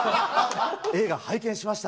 映画、拝見しました。